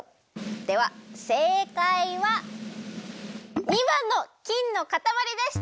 ではせいかいは２ばんの金のかたまりでした！